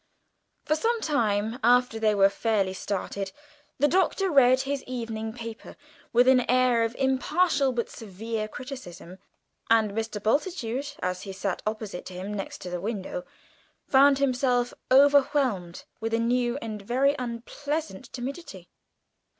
_ For some time after they were fairly started the Doctor read his evening paper with an air of impartial but severe criticism, and Mr. Bultitude as he sat opposite him next to the window, found himself overwhelmed with a new and very unpleasant timidity.